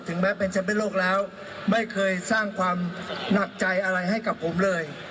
แม้เป็นแชมป์เป็นโลกแล้วไม่เคยสร้างความหนักใจอะไรให้กับผมเลย